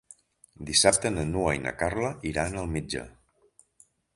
Dissabte na Noa i na Carla iran al metge.